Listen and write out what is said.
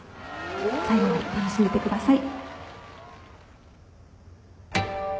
最後まで楽しんでってください。